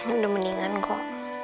udah mendingan kok